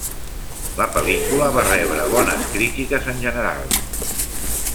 La pel·lícula va rebre bones crítiques en general.